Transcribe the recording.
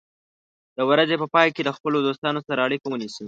د ورځې په پای کې له خپلو دوستانو سره اړیکه ونیسه.